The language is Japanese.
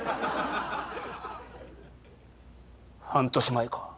半年前か。